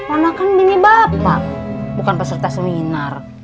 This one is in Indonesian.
anak kan mini bapak bukan peserta seminar